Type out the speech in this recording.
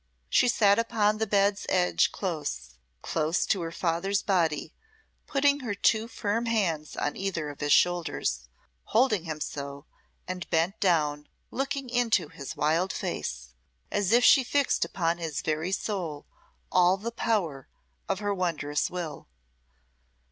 She sat upon the bed's edge close close to her father's body, putting her two firm hands on either of his shoulders, holding him so, and bent down, looking into his wild face, as if she fixed upon his very soul all the power of her wondrous will.